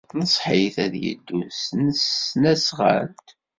Tenṣeḥ-it ad yeddu s tesnasɣalt.